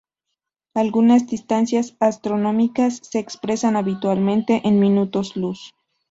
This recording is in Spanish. Algunas distancias astronómicas se expresan habitualmente en minutos luz.